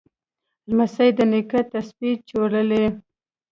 لمسی د نیکه تسبیح چورلي.